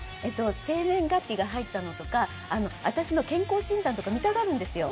生年月日が入ったのとか私の健康診断とか見たがるんですよ。